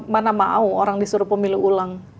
mana mau orang disuruh pemilu ulang